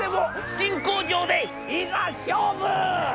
新工場でいざ勝負！』。